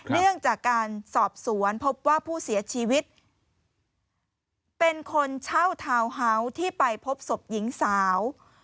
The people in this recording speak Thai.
เนื่องจากการสอบสวนพบว่าผู้เสียชีวิตเป็นคนเช่าทาวน์เฮาส์ที่ไปพบศพหญิงสาว